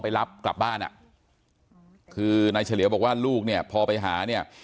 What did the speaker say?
รับกลับบ้านอ่ะคือนายเฉลียวบอกว่าลูกเนี่ยพอไปหาเนี่ย